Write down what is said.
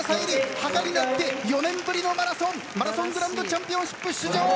母になって４年ぶりのマラソングランドチャンピオンシップ出場！